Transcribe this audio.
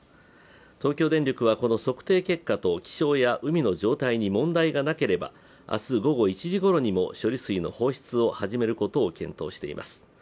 東京電力はこの測定結果と気象や海の状態に問題がなければ明日午後１時ごろにも処理水の放出を始めることを検討しています。